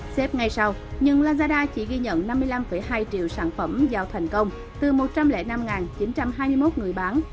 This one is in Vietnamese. xếp ngay sau nhưng lazada chỉ ghi nhận năm mươi năm hai triệu sản phẩm giao thành công từ một trăm linh năm chín trăm hai mươi một người bán